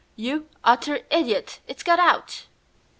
You utter idiot! It's got out!"